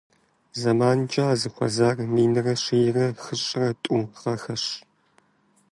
ЗэманкӀэ ар зыхуэзэр минрэ щийрэ хыщӀрэ тӀу гъэхэрщ.